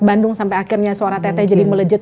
bandung sampai akhirnya suara tete jadi melejit